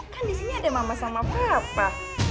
kan disini ada mama sama papa